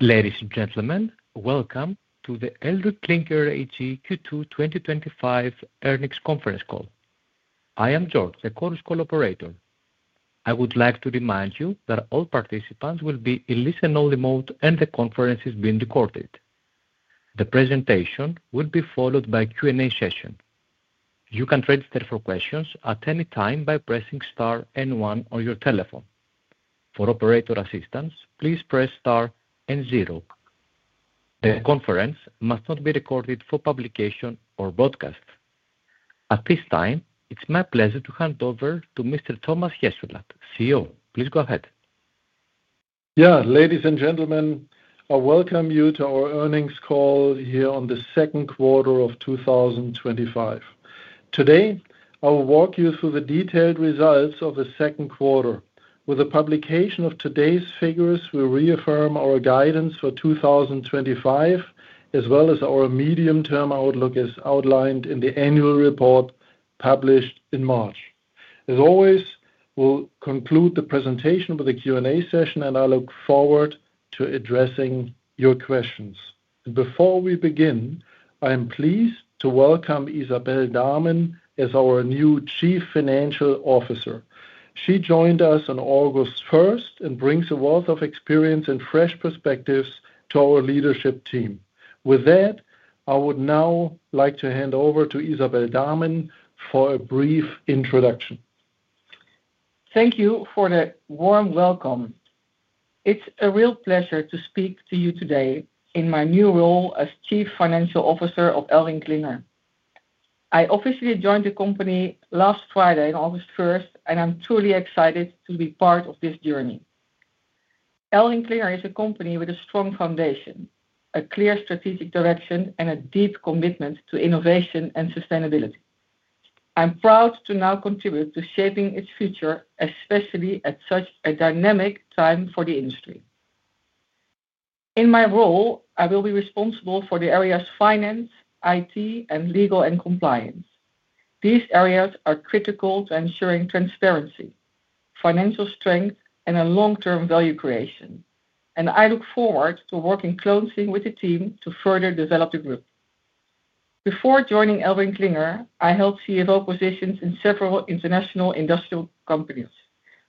Ladies and gentlemen, welcome to the ElringKlinger AG Q2 2025 earnings conference call. I am George, the call's cooperator. I would like to remind you that all participants will be in listen-only mode and the conference is being recorded. The presentation will be followed by a Q&A session. You can register for questions at any time by pressing *N one on your telephone. For operator assistance, please press *N zero on your phone. The conference must not be recorded for publication or broadcast. At this time, it's my pleasure to hand over to Mr. Thomas Jessulat, CEO. Please go ahead. Ladies and gentlemen, I welcome you to our earnings call here on the second quarter of 2025. Today, I will walk you through the detailed results of the second quarter. With the publication of today's figures, we reaffirm our guidance for 2025, as well as our medium-term outlook as outlined in the annual report published in March. As always, we'll conclude the presentation with a Q&A session, and I look forward to addressing your questions. Before we begin, I am pleased to welcome Isabelle Damen as our new Chief Financial Officer. She joined us on August 1 and brings a wealth of experience and fresh perspectives to our leadership team. With that, I would now like to hand over to Isabelle Damen for a brief introduction. Thank you for that warm welcome. It's a real pleasure to speak to you today in my new role as Chief Financial Officer of ElringKlinger. I officially joined the company last Friday, on August 1, and I'm truly excited to be part of this journey. ElringKlinger is a company with a strong foundation, a clear strategic direction, and a deep commitment to innovation and sustainability. I'm proud to now contribute to shaping its future, especially at such a dynamic time for the industry. In my role, I will be responsible for the areas Finance, IT, and Legal and Compliance. These areas are critical to ensuring transparency, financial strength, and long-term value creation. I look forward to working closely with the team to further develop the group. Before joining ElringKlinger, I held CFO positions in several international industrial companies,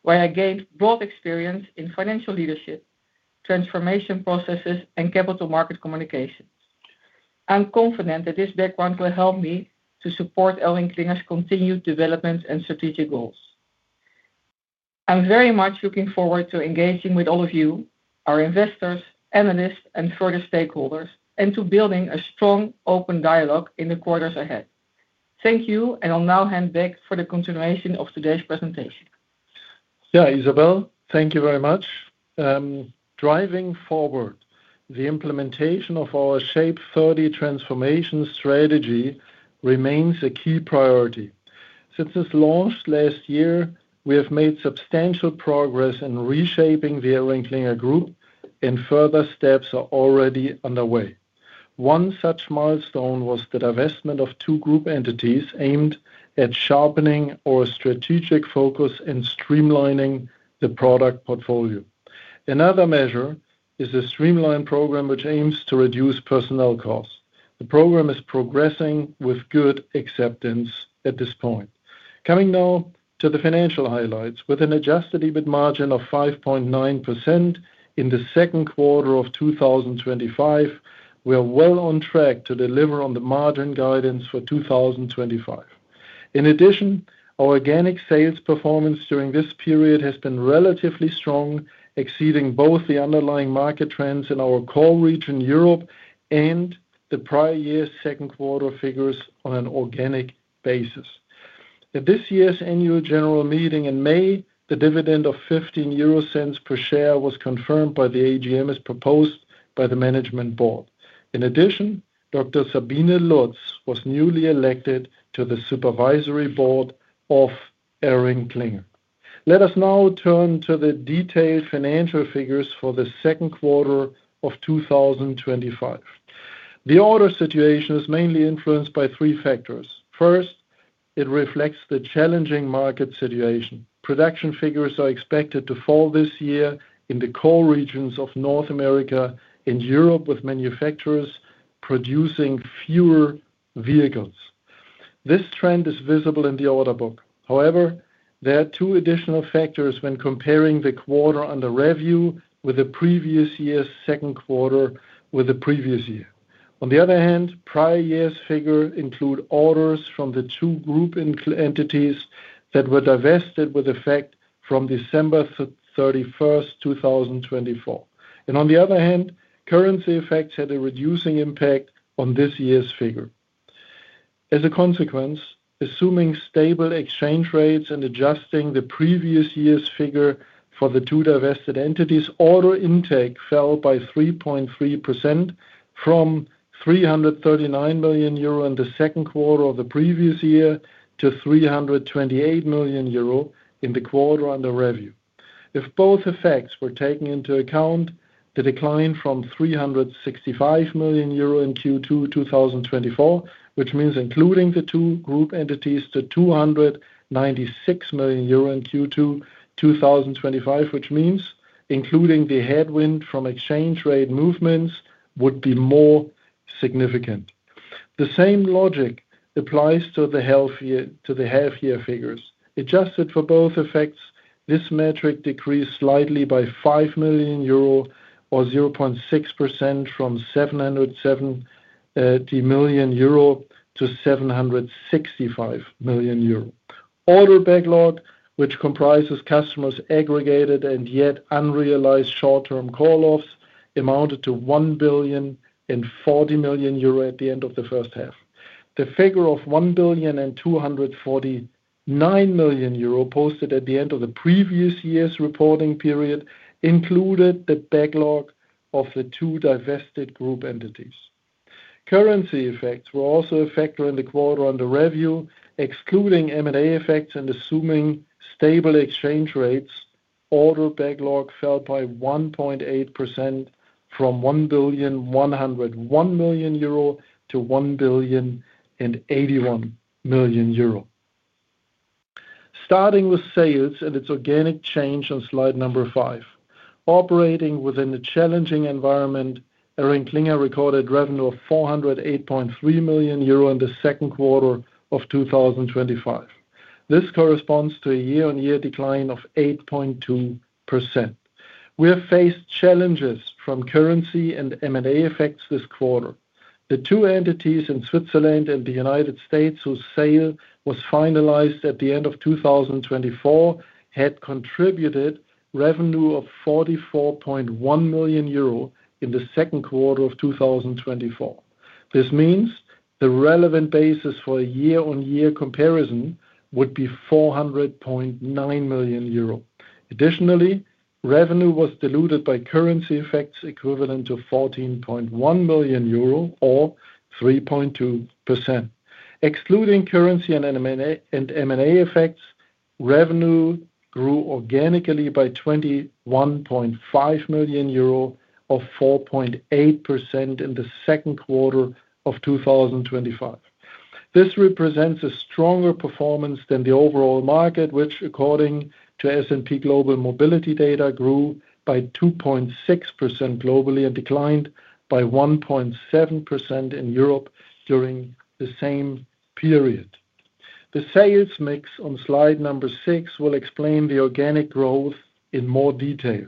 where I gained broad experience in financial leadership, transformation processes, and capital market communication. I'm confident that this background will help me to support ElringKlinger's continued development and strategic goals. I'm very much looking forward to engaging with all of you, our investors, analysts, and further stakeholders, and to building a strong, open dialogue in the quarters ahead. Thank you, and I'll now hand back for the continuation of today's presentation. Yeah, Isabelle, thank you very much. Driving forward, the implementation of our Shape 40 transformation strategy remains a key priority. Since its launch last year, we have made substantial progress in reshaping the ElringKlinger Group, and further steps are already underway. One such milestone was the divestment of two group entities aimed at sharpening our strategic focus and streamlining the product portfolio. Another measure is the streamlined program, which aims to reduce personnel costs. The program is progressing with good acceptance at this point. Coming now to the financial highlights, with an adjusted EBIT margin of 5.9% in the second quarter of 2025, we are well on track to deliver on the margin guidance for 2025. In addition, our organic sales performance during this period has been relatively strong, exceeding both the underlying market trends in our core region Europe and the prior year's second quarter figures on an organic basis. At this year's Annual General Meeting in May, the dividend of 0.15 per share was confirmed by the AGM as proposed by the Management Board. In addition, Dr. Sabine Lutz was newly elected to the Supervisory Board of ElringKlinger. Let us now turn to the detailed financial figures for the second quarter of 2025. The order situation is mainly influenced by three factors. First, it reflects the challenging market situation. Production figures are expected to fall this year in the core regions of North America and Europe, with manufacturers producing fewer vehicles. This trend is visible in the order book. However, there are two additional factors when comparing the quarter under review with the previous year's second quarter. On the one hand, prior year's figures include orders from the two group entities that were divested with effect from December 31st, 2024. On the other hand, currency effects had a reducing impact on this year's figure. As a consequence, assuming stable exchange rates and adjusting the previous year's figure for the two divested entities, order intake fell by 3.3% from 339 million euro in the second quarter of the previous year to 328 million euro in the quarter under review. If both effects were taken into account, the decline from 365 million euro in Q2 2024, which means including the two group entities, to 296 million euro in Q2 2025, which means including the headwind from exchange rate movements, would be more significant. The same logic applies to the healthier figures. Adjusted for both effects, this metric decreased slightly by 5 million euro or 0.6% from 780 million euro to 765 million euro. Order backlog, which comprises customers' aggregated and yet unrealized short-term call-offs, amounted to 1.40 billion at the end of the first half. The figure of 1.249 billion posted at the end of the previous year's reporting period included the backlog of the two divested group entities. Currency effects were also a factor in the quarter under review. Excluding M&A effects and assuming stable exchange rates, order backlog fell by 1.8% from 1.101 billion to 1.081 billion. Starting with sales and its organic change on slide number five. Operating within a challenging environment, ElringKlinger recorded revenue of 408.3 million euro in the second quarter of 2025. This corresponds to a year-on-year decline of 8.2%. We have faced challenges from currency and M&A effects this quarter. The two entities in Switzerland and the United States, whose sale was finalized at the end of 2024, had contributed revenue of 44.1 million euro in the second quarter of 2024. This means the relevant basis for a year-on-year comparison would be 400.9 million euro. Additionally, revenue was diluted by currency effects equivalent to 14.1 million euro or 3.2%. Excluding currency and M&A effects, revenue grew organically by 21.5 million euro or 4.8% in the second quarter of 2025. This represents a stronger performance than the overall market, which, according to S&P Global Mobility Data, grew by 2.6% globally and declined by 1.7% in Europe during the same period. The sales mix on slide number six will explain the organic growth in more detail.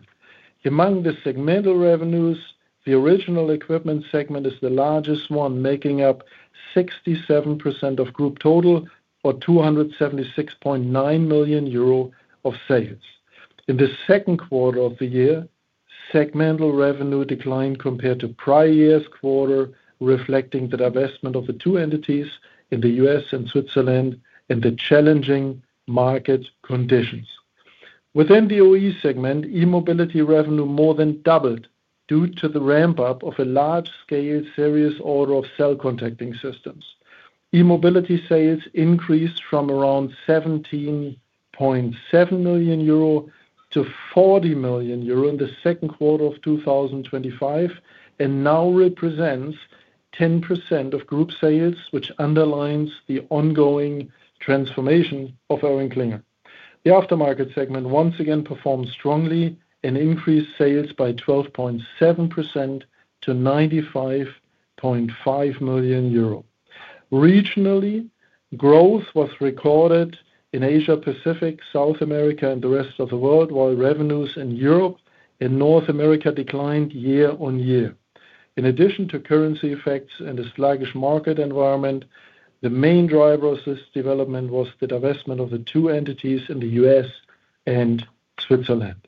Among the segmental revenues, the original equipment segment is the largest one, making up 67% of group total or 276.9 million euro of sales. In the second quarter of the year, segmental revenue declined compared to prior year's quarter, reflecting the divestment of the two entities in the United States and Switzerland and the challenging market conditions. Within the OE segment, e-mobility revenue more than doubled due to the ramp-up of a large-scale series order of cell contacting systems. E-mobility sales increased from around 17.7 million-40 million euro in the second quarter of 2025 and now represents 10% of group sales, which underlines the ongoing transformation of ElringKlinger. The aftermarket segment once again performed strongly and increased sales by 12.7% to 95.5 million euro. Regionally, growth was recorded in Asia-Pacific, South America, and the rest of the world, while revenues in Europe and North America declined year on year. In addition to currency effects and a sluggish market environment, the main driver of this development was the divestment of the two entities in the U.S. and Switzerland.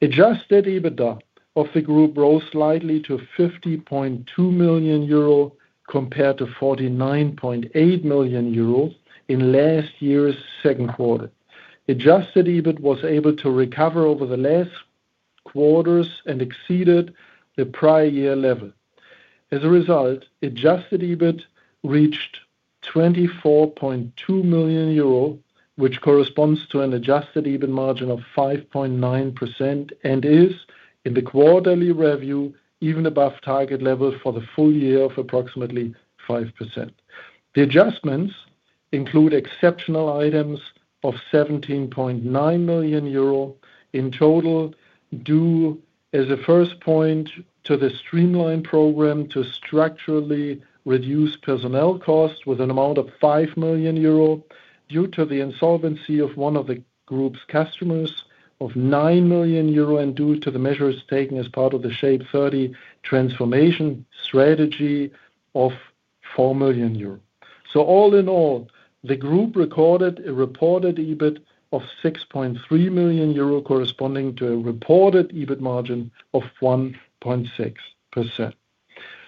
Adjusted EBITDA of the group rose slightly to 50.2 million euro compared to 49.8 million euros in last year's second quarter. Adjusted EBITDA was able to recover over the last quarters and exceeded the prior year level. As a result, adjusted EBITDA reached 24.2 million euro, which corresponds to an adjusted EBITDA margin of 5.9% and is, in the quarterly review, even above target level for the full year of approximately 5%. The adjustments include exceptional items of 17.9 million euro in total, due as a first point to the streamlined program to structurally reduce personnel costs with an amount of 5 million euro, due to the insolvency of one of the group's customers of 9 million euro, and due to the measures taken as part of the Shape 30 transformation strategy of 4 million euro. All in all, the group recorded a reported EBITDA of 6.3 million euro, corresponding to a reported EBITDA margin of 1.6%.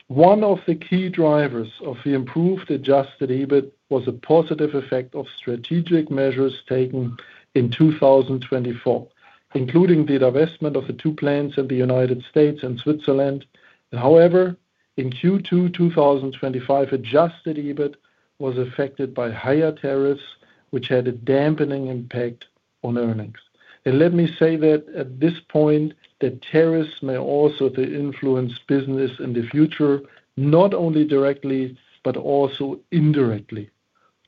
One of the key drivers of the improved adjusted EBITDA was a positive effect of strategic measures taken in 2024, including the divestment of the two plants in the United States and Switzerland. However, in Q2 2025, adjusted EBITDA was affected by higher tariffs, which had a dampening impact on earnings. Let me say that at this point, the tariffs may also influence business in the future, not only directly but also indirectly.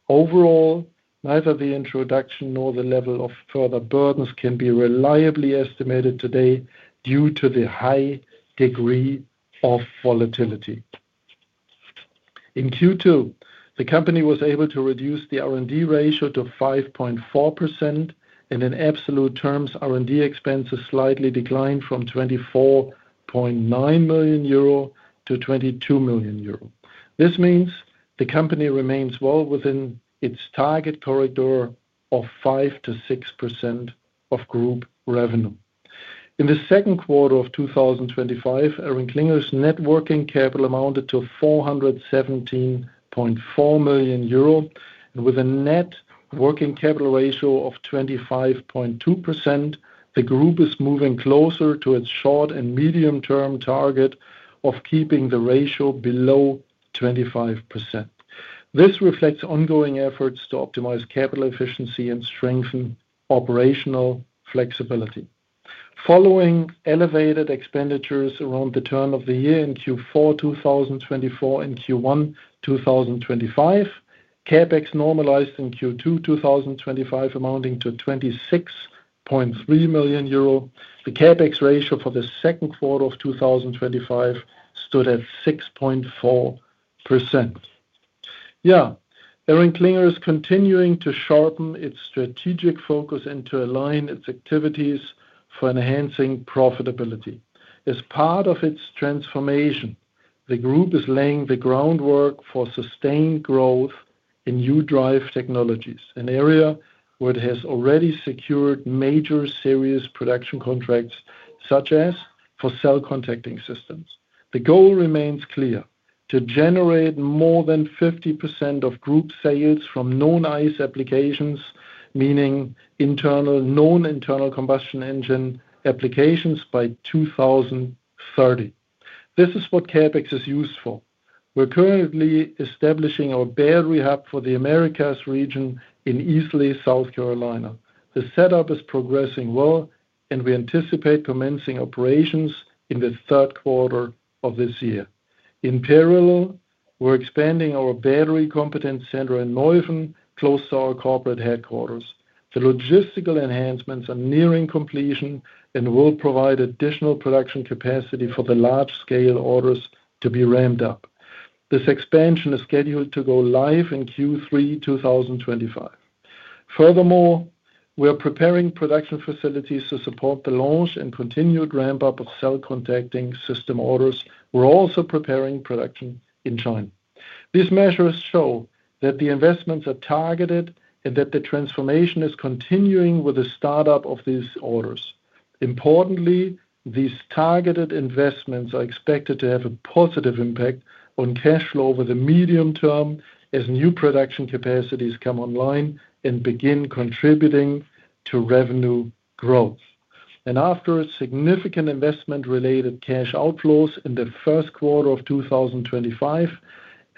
Overall, neither the introduction nor the level of further burdens can be reliably estimated today due to the high degree of volatility. In Q2, the company was able to reduce the R&D ratio to 5.4%, and in absolute terms, R&D expenses slightly declined from 24.9 million-22 million euro. This means the company remains well within its target corridor of 5%-6% of group revenue. In the second quarter of 2025, ElringKlinger's net working capital amounted to 417.4 million euro, and with a net working capital ratio of 25.2%, the group is moving closer to its short and medium-term target of keeping the ratio below 25%. This reflects ongoing efforts to optimize capital efficiency and strengthen operational flexibility. Following elevated expenditures around the turn of the year in Q4 2024 and Q1 2025, CapEx normalized in Q2 2025, amounting to 26.3 million euro. The CapEx ratio for the second quarter of 2025 stood at 6.4%. Yeah, ElringKlinger is continuing to sharpen its strategic focus and to align its activities for enhancing profitability. As part of its transformation, the group is laying the groundwork for sustained growth in UDrive technologies, an area where it has already secured major series production contracts, such as for cell contacting systems. The goal remains clear: to generate more than 50% of group sales from non-ICE applications, meaning non-internal combustion engine applications, by 2030. This is what CapEx is used for. We're currently establishing our battery hub for the Americas region in Easley, South Carolina. The setup is progressing well, and we anticipate commencing operations in the third quarter of this year. In parallel, we're expanding our battery competence center in Germany close to our corporate headquarters. The logistical enhancements are nearing completion and will provide additional production capacity for the large-scale orders to be ramped up. This expansion is scheduled to go live in Q3 2025. Furthermore, we are preparing production facilities to support the launch and continued ramp-up of cell contacting system orders. We're also preparing production in China. These measures show that the investments are targeted and that the transformation is continuing with the startup of these orders. Importantly, these targeted investments are expected to have a positive impact on cash flow over the medium term as new production capacities come online and begin contributing to revenue growth. After significant investment-related cash outflows in the first quarter of 2025,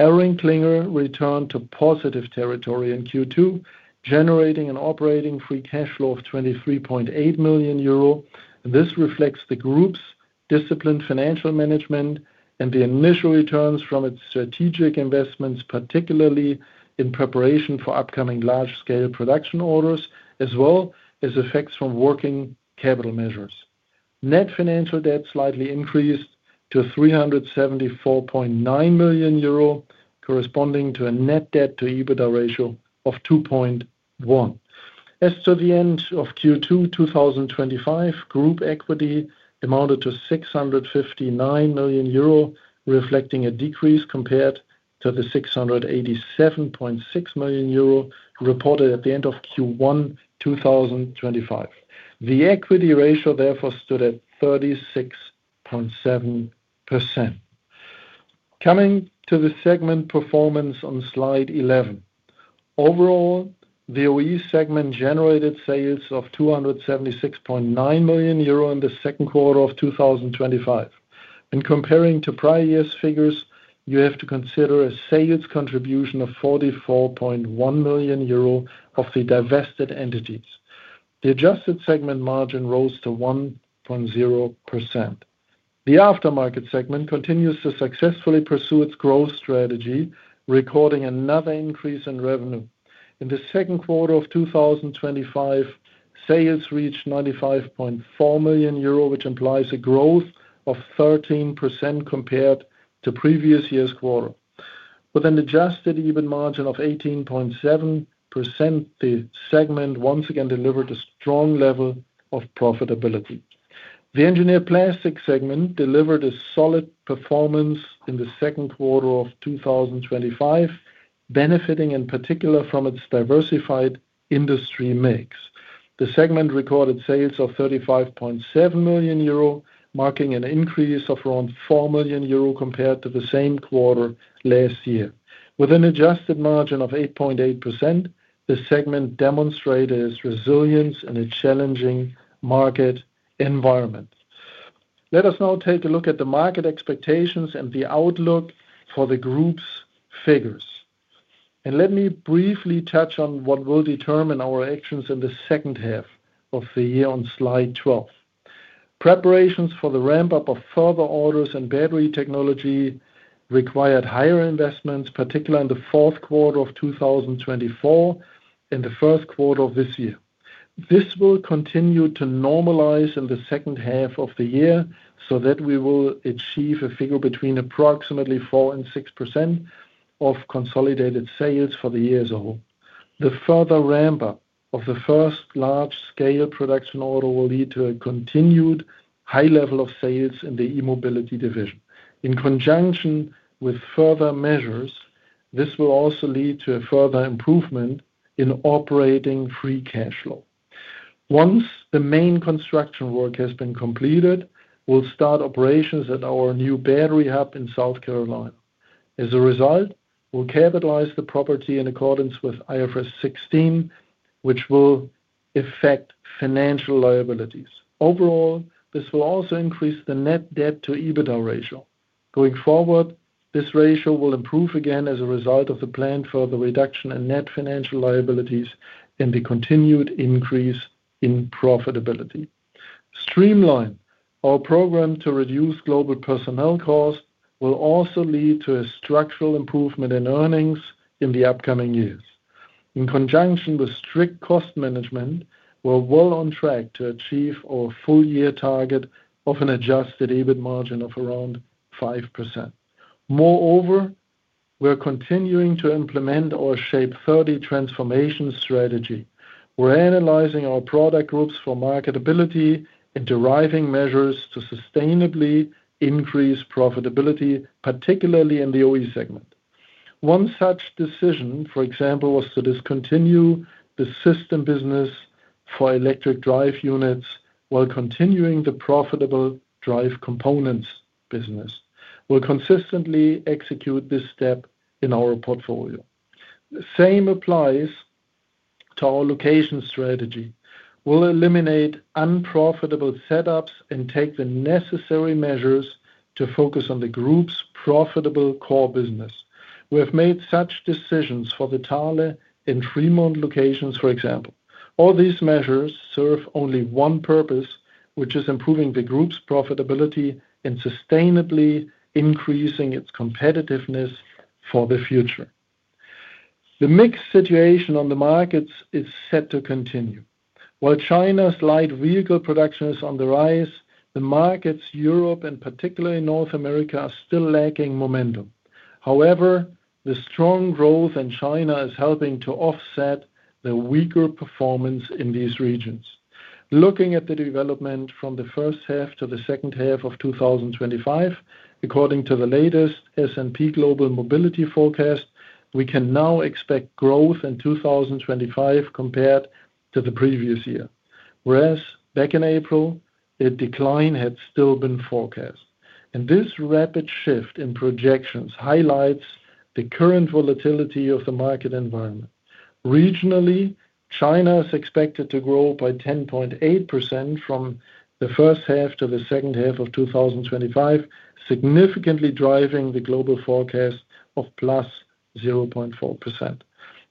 ElringKlinger returned to positive territory in Q2, generating an operating free cash flow of 23.8 million euro. This reflects the group's disciplined financial management and the initial returns from its strategic investments, particularly in preparation for upcoming large-scale production orders, as well as effects from working capital measures. Net financial debt slightly increased to 374.9 million euro, corresponding to a net debt-to-EBITDA ratio of 2.1. As to the end of Q2 2025, group equity amounted to 659 million euro, reflecting a decrease compared to the 687.6 million euro reported at the end of Q1 2025. The equity ratio therefore stood at 36.7%. Coming to the segment performance on slide 11, overall, the OE segment generated sales of 276.9 million euro in the second quarter of 2025. Comparing to prior year's figures, you have to consider a sales contribution of 44.1 million euro of the divested entities. The adjusted segment margin rose to 1.0%. The aftermarket segment continues to successfully pursue its growth strategy, recording another increase in revenue. In the second quarter of 2025, sales reached 95.4 million euro, which implies a growth of 13% compared to previous year's quarter. With an adjusted EBITDA margin of 18.7%, the segment once again delivered a strong level of profitability. The engineered plastics segment delivered a solid performance in the second quarter of 2025, benefiting in particular from its diversified industry mix. The segment recorded sales of 35.7 million euro, marking an increase of around 4 million euro compared to the same quarter last year. With an adjusted margin of 8.8%, the segment demonstrated its resilience in a challenging market environment. Let us now take a look at the market expectations and the outlook for the group's figures. Let me briefly touch on what will determine our actions in the second half of the year on slide 12. Preparations for the ramp-up of further orders in battery technology required higher investments, particularly in the fourth quarter of 2024 and the first quarter of this year. This will continue to normalize in the second half of the year so that we will achieve a figure between approximately 4% and 6% of consolidated sales for the year as a whole. The further ramp-up of the first large-scale production order will lead to a continued high level of sales in the e-mobility division. In conjunction with further measures, this will also lead to a further improvement in operating free cash flow. Once the main construction work has been completed, we'll start operations at our new battery hub in Easley, South Carolina. As a result, we'll capitalize the property in accordance with IFRS 16, which will affect financial liabilities. Overall, this will also increase the net debt-to-EBITDA ratio. Going forward, this ratio will improve again as a result of the planned further reduction in net financial liabilities and the continued increase in profitability. Streamlined our program to reduce global personnel costs will also lead to a structural improvement in earnings in the upcoming years. In conjunction with strict cost management, we're well on track to achieve our full-year target of an adjusted EBITDA margin of around 5%. Moreover, we're continuing to implement our Shape 30 transformation strategy. We're analyzing our product groups for marketability and deriving measures to sustainably increase profitability, particularly in the OE segment. One such decision, for example, was to discontinue the system business for electric drive units while continuing the profitable drive components business. We'll consistently execute this step in our portfolio. The same applies to our location strategy. We'll eliminate unprofitable setups and take the necessary measures to focus on the group's profitable core business. We have made such decisions for the Thale and Fremont locations, for example. All these measures serve only one purpose, which is improving the group's profitability and sustainably increasing its competitiveness for the future. The mixed situation on the markets is set to continue. While China's light vehicle production is on the rise, the markets in Europe and particularly North America are still lacking momentum. However, the strong growth in China is helping to offset the weaker performance in these regions. Looking at the development from the first half to the second half of 2025, according to the latest S&P Global Mobility forecast, we can now expect growth in 2025 compared to the previous year. Whereas back in April, a decline had still been forecast. This rapid shift in projections highlights the current volatility of the market environment. Regionally, China is expected to grow by 10.8% from the first half to the second half of 2025, significantly driving the global forecast of plus 0.4%.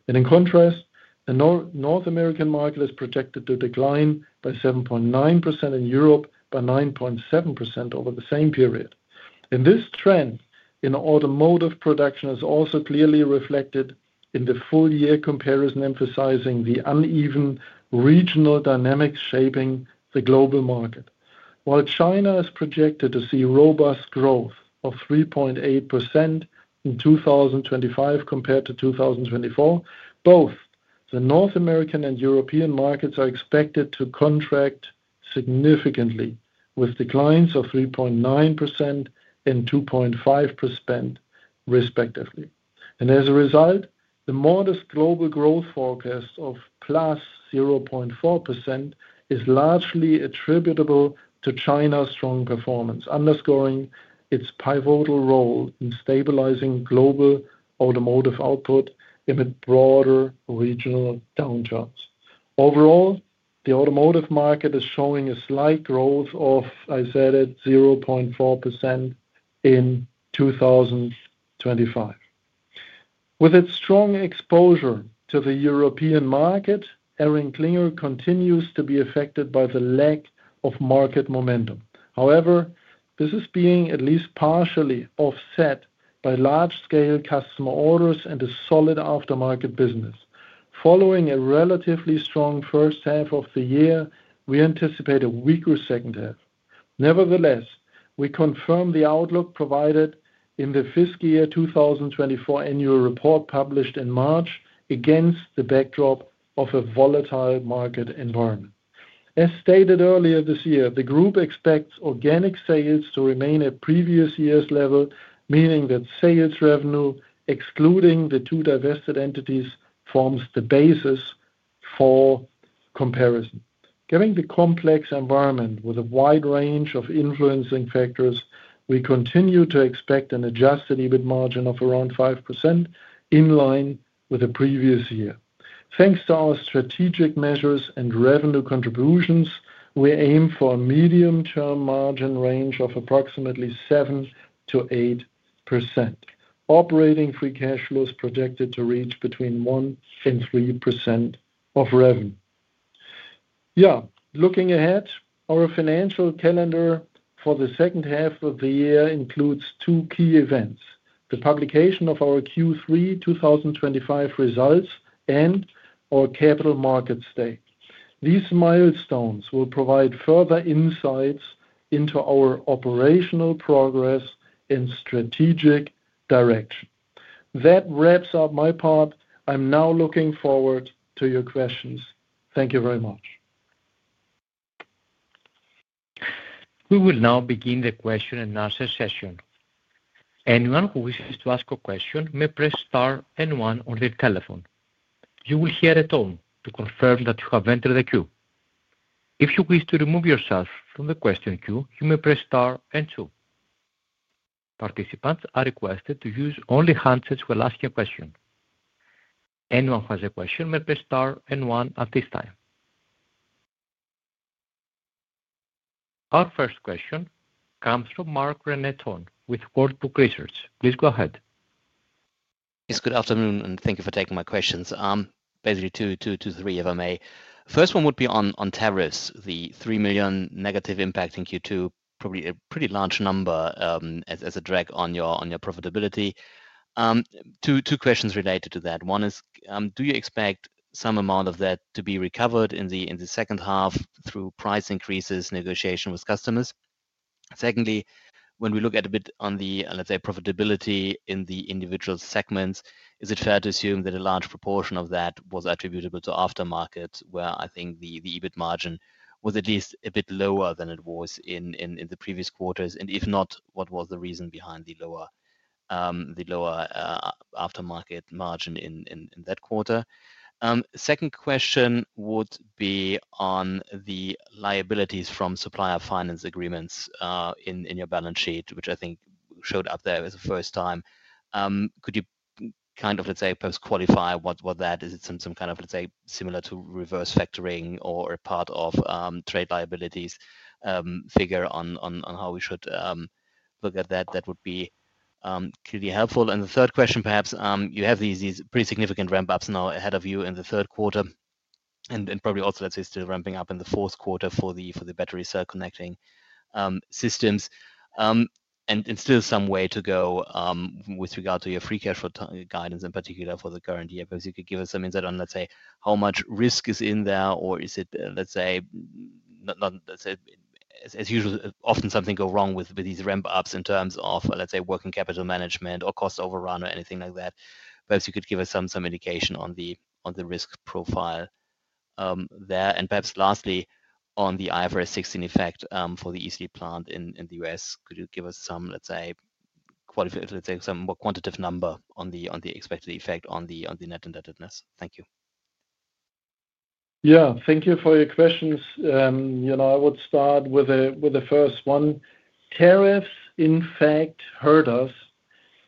In contrast, the North American market is projected to decline by 7.9% and Europe by 9.7% over the same period. This trend in automotive production is also clearly reflected in the full-year comparison, emphasizing the uneven regional dynamics shaping the global market. While China is projected to see robust growth of 3.8% in 2025 compared to 2024, both the North American and European markets are expected to contract significantly, with declines of 3.9% and 2.5% respectively. As a result, the modest global growth forecast of +0.4% is largely attributable to China's strong performance, underscoring its pivotal role in stabilizing global automotive output amid broader regional downturns. Overall, the automotive market is showing a slight growth of, I said it, 0.4% in 2025. With its strong exposure to the European market, ElringKlinger continues to be affected by the lack of market momentum. However, this is being at least partially offset by large-scale customer orders and a solid aftermarket business. Following a relatively strong first half of the year, we anticipate a weaker second half. Nevertheless, we confirm the outlook provided in the fiscal year 2024 annual report published in March, against the backdrop of a volatile market environment. As stated earlier this year, the group expects organic sales to remain at previous year's level, meaning that sales revenue, excluding the two divested entities, forms the basis for comparison. Given the complex environment with a wide range of influencing factors, we continue to expect an adjusted EBITDA margin of around 5%, in line with the previous year. Thanks to our strategic measures and revenue contributions, we aim for a medium-term margin range of approximately 7-8%. Operating free cash flow is projected to reach between 1% and 3% of revenue. Looking ahead, our financial calendar for the second half of the year includes two key events: the publication of our Q3 2025 results and our capital market state. These milestones will provide further insights into our operational progress and strategic direction. That wraps up my part. I'm now looking forward to your questions. Thank you very much. We will now begin the question and answer session. Anyone who wishes to ask a question may press *N one on their telephone. You will hear a tone to confirm that you have entered the queue. If you wish to remove yourself from the question queue, you may press *N two. Participants are requested to use only handsets while asking a question. Anyone who has a question may press *N1 at this time. Our first question comes from Marc-René Tonn with Warburg Research. Please go ahead. Yes, good afternoon, and thank you for taking my questions. Basically, two, two, two, three if I may. First one would be on tariffs, the $3 million negative impact in Q2, probably a pretty large number as a drag on your profitability. Two questions related to that. One is, do you expect some amount of that to be recovered in the second half through price increases, negotiation with customers? Secondly, when we look at a bit on the, let's say, profitability in the individual segments, is it fair to assume that a large proportion of that was attributable to aftermarket, where I think the EBITDA margin was at least a bit lower than it was in the previous quarters? If not, what was the reason behind the lower aftermarket margin in that quarter? Second question would be on the liabilities from supplier finance agreements in your balance sheet, which I think showed up there as a first time. Could you kind of, let's say, post-qualify what that is? Is it some kind of, let's say, similar to reverse factoring or a part of trade liabilities figure on how we should look at that? That would be clearly helpful. The third question, perhaps, you have these pretty significant ramp-ups now ahead of you in the third quarter, and probably also, let's say, still ramping up in the fourth quarter for the battery cell contacting systems. Still some way to go with regard to your free cash flow guidance, in particular for the current year. Could you give us some insight on, let's say, how much risk is in there, or is it, let's say, as usual, often something go wrong with these ramp-ups in terms of, let's say, working capital management or cost overrun or anything like that. Perhaps you could give us some indication on the risk profile there. Lastly, on the IFRS 16 effect for the Easley plant in the U.S., could you give us some, let's say, quantitative number on the expected effect on the net indebtedness? Thank you. Thank you for your questions. I would start with the first one. Tariffs, in fact, hurt us.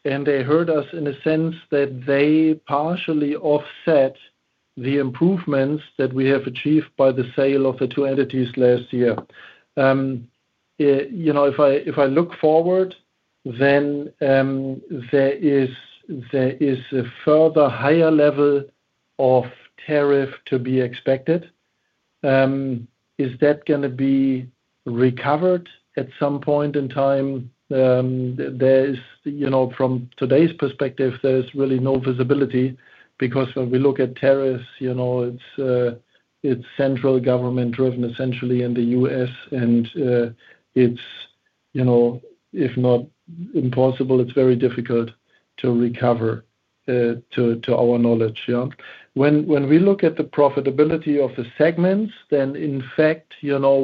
They hurt us in the sense that they partially offset the improvements that we have achieved by the sale of the two entities last year. If I look forward, then there is a further higher level of tariff to be expected. Is that going to be recovered at some point in time? From today's perspective, there's really no visibility because when we look at tariffs, it's central government-driven, essentially, in the U.S. It's, if not impossible, very difficult to recover, to our knowledge. When we look at the profitability of the segments,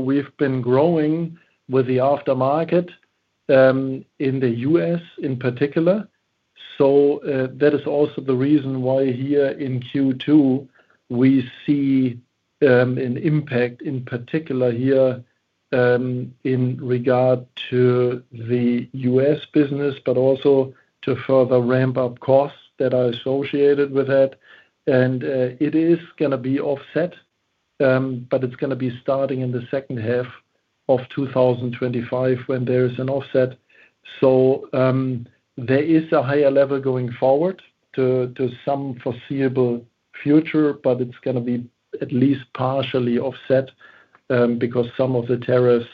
we've been growing with the aftermarket in the U.S. in particular. That is also the reason why here in Q2 we see an impact, in particular here in regard to the U.S. business, but also to further ramp-up costs that are associated with that. It is going to be offset, but it's going to be starting in the second half of 2025 when there is an offset. There is a higher level going forward to some foreseeable future, but it's going to be at least partially offset because some of the tariffs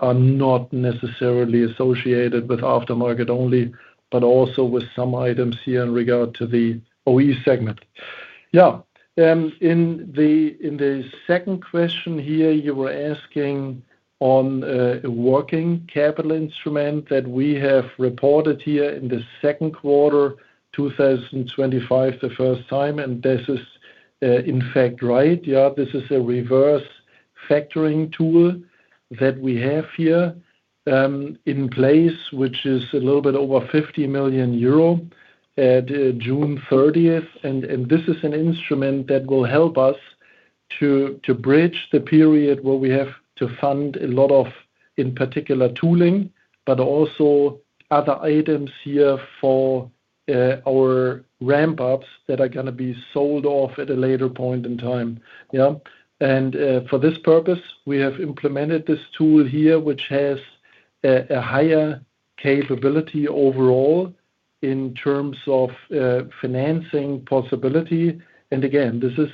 are not necessarily associated with aftermarket only, but also with some items here in regard to the OE segment. In the second question, you were asking on a working capital instrument that we have reported here in the second quarter of 2025, the first time. This is, in fact, right. This is a reverse factoring tool that we have here in place, which is a little bit over 50 million euro at June 30th. This is an instrument that will help us to bridge the period where we have to fund a lot of, in particular, tooling, but also other items here for our ramp-ups that are going to be sold off at a later point in time. For this purpose, we have implemented this tool here, which has a higher capability overall in terms of financing possibility. This is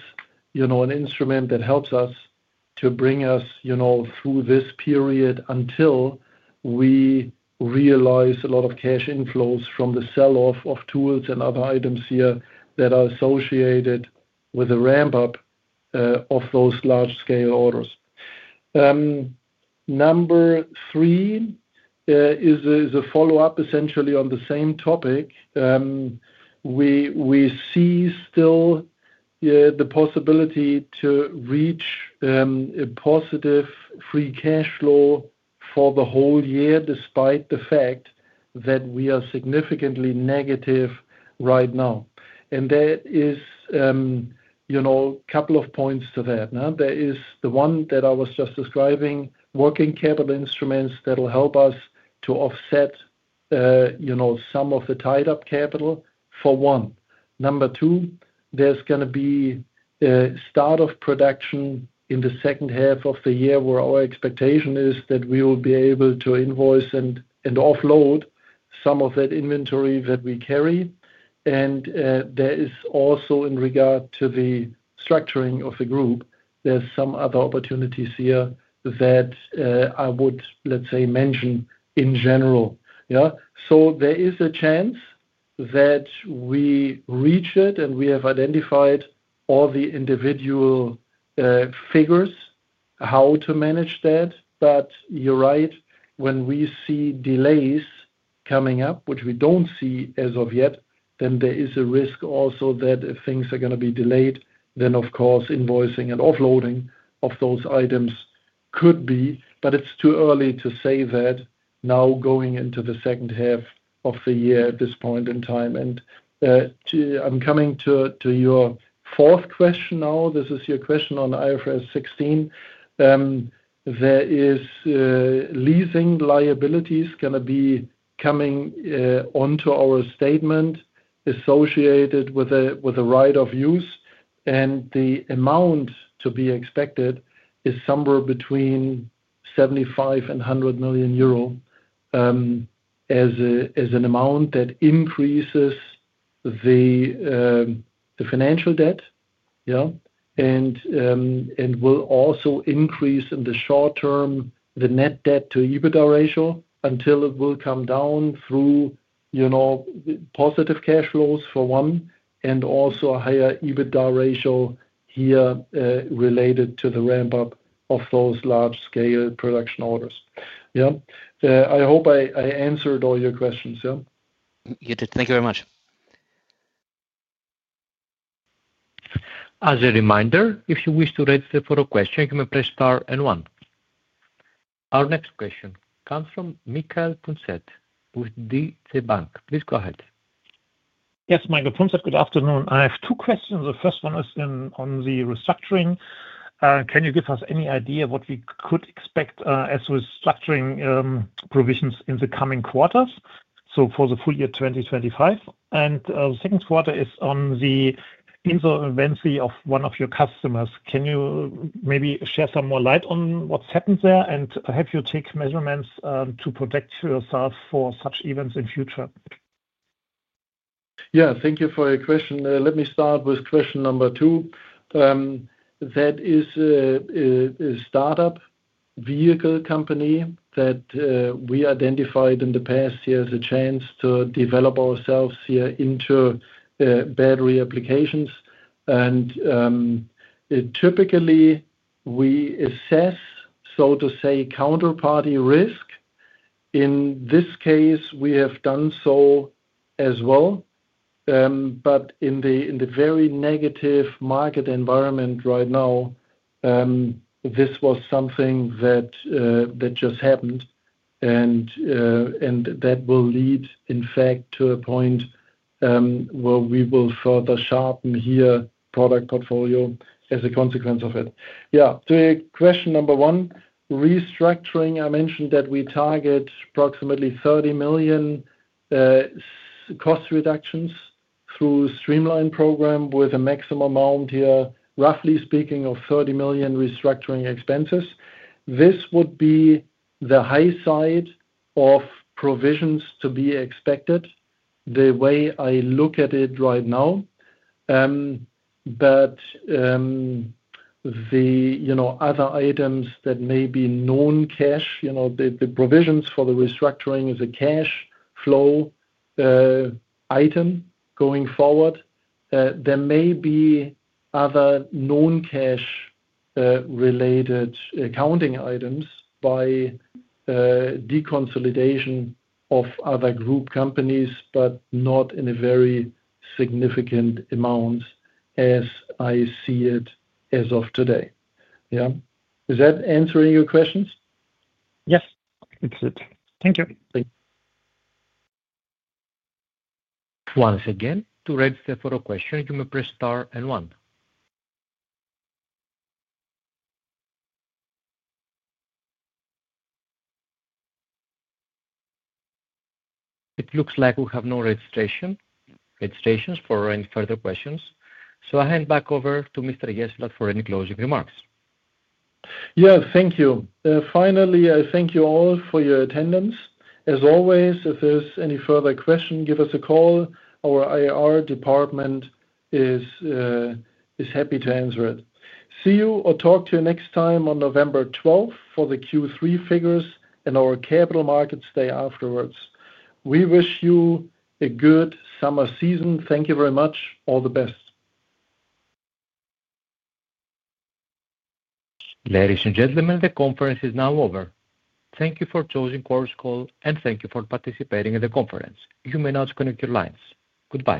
an instrument that helps us to bring us through this period until we realize a lot of cash inflows from the sell-off of tools and other items here that are associated with a ramp-up of those large-scale orders. Number three is a follow-up, essentially, on the same topic. We see still the possibility to reach a positive free cash flow for the whole year, despite the fact that we are significantly negative right now. There is a couple of points to that. There is the one that I was just describing, working capital instruments that will help us to offset some of the tied-up capital for one. Number two, there's going to be a start of production in the second half of the year where our expectation is that we will be able to invoice and offload some of that inventory that we carry. There is also, in regard to the structuring of the group, some other opportunities here that I would mention in general. There is a chance that we reach it and we have identified all the individual figures how to manage that. You're right, when we see delays coming up, which we don't see as of yet, there is a risk also that if things are going to be delayed, invoicing and offloading of those items could be. It's too early to say that now going into the second half of the year at this point in time. I'm coming to your fourth question now. This is your question on IFRS 16. There is lease liabilities going to be coming onto our statement associated with a right of use. The amount to be expected is somewhere between 75 million euro and 100 million euro as an amount that increases the financial debt. It will also increase in the short term the net debt-to-EBITDA ratio until it will come down through positive cash flows for one, and also a higher EBITDA ratio here related to the ramp-up of those large-scale production orders. I hope I answered all your questions. You did. Thank you very much. As a reminder, if you wish to register for a question, you may press *N one. Our next question comes from Michael Punzet with DZ Bank. Please go ahead. Yes, Michael Punzet, good afternoon. I have two questions. The first one is on the restructuring. Can you give us any idea what we could expect as restructuring provisions in the coming quarters, for the full year 2025? The second question is on the insolvency of one of your customers. Can you maybe share some more light on what's happened there, and have you taken measurements to protect yourself for such events in the future? Thank you for your question. Let me start with question number two. That is a startup vehicle company that we identified in the past here as a chance to develop ourselves here into battery applications. Typically, we assess, so to say, counterparty risk. In this case, we have done so as well. In the very negative market environment right now, this was something that just happened. That will lead, in fact, to a point where we will further sharpen here the product portfolio as a consequence of it. To question number one, restructuring, I mentioned that we target approximately $30 million cost reductions through a streamlined program with a maximum amount here, roughly speaking, of $30 million restructuring expenses. This would be the high side of provisions to be expected, the way I look at it right now. The other items that may be non-cash, you know, the provisions for the restructuring as a cash flow item going forward, there may be other non-cash-related accounting items by deconsolidation of other group companies, but not in a very significant amount as I see it as of today. Is that answering your questions? Yes, that's it. Thank you. Thank you. Once again, to register for a question, you may press *N one. It looks like we have no registrations for any further questions. I hand back over to Mr. Jessulat for any closing remarks. Yeah, thank you. Finally, I thank you all for your attendance. As always, if there's any further question, give us a call. Our IR department is happy to answer it. See you or talk to you next time on November 12th for the Q3 figures and our capital markets day afterwards. We wish you a good summer season. Thank you very much. All the best. Ladies and gentlemen, the conference is now over. Thank you for joining the course call and thank you for participating in the conference. You may now disconnect your lines. Goodbye.